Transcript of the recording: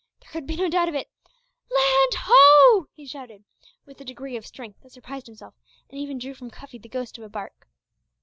There could be no doubt of it! "Land ho!" he shouted, with a degree of strength that surprised himself, and even drew from Cuffy the ghost of a bark.